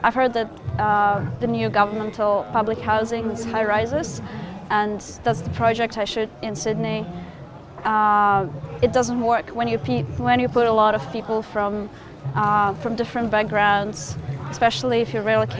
kamu menempatkannya bersama dengan pembangunan publik